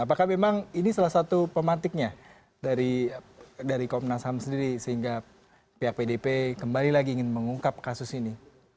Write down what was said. apakah memang ini salah satu pemantiknya dari komnas ham sendiri sehingga pihak pdp kembali lagi ingin mengungkap kasus ini